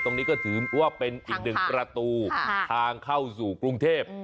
ตรงนี้ก็ถือว่าเป็นอีกหนึ่งประตูทางเข้าสู่กรุงเทพ